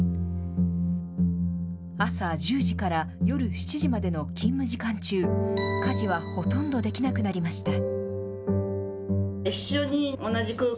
朝１０時から夜７時までの勤務時間中、家事はほとんどできなくなりました。